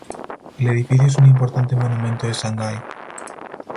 El edificio es un importante monumento de Shanghái.